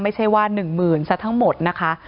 ไม่ใช่ว่า๑หมื่นซะทั้งหมดนะคะ